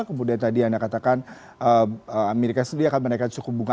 kemudian tadi anda katakan amerika sendiri akan menaikkan suku bunga